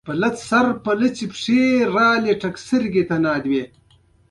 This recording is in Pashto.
ولو چې ټوکې یې د طبیعت برخه وې قاتل ملا ته وویل.